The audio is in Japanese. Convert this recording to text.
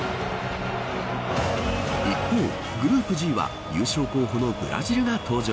一方、グループＧは優勝候補のブラジルが登場。